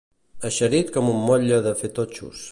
Eixerit com un motlle de fer totxos.